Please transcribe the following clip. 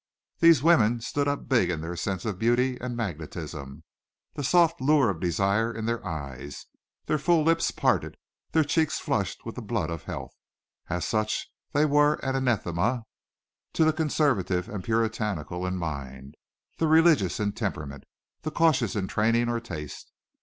These women stood up big in their sense of beauty and magnetism, the soft lure of desire in their eyes, their full lips parted, their cheeks flushed with the blood of health. As such they were anathema to the conservative and puritanical in mind, the religious in temperament, the cautious in training or taste.